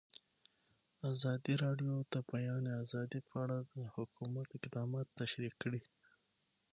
ازادي راډیو د د بیان آزادي په اړه د حکومت اقدامات تشریح کړي.